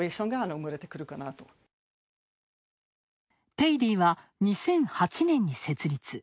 ペイディは２００８年に設立。